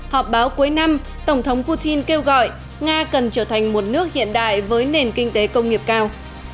họp báo cuối năm tổng thống putin kêu gọi nga cần trở thành một nước hiện đại với nền kinh tế công nghiệp cao